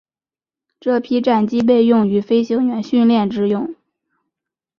这批战机被用于飞行员训练之用。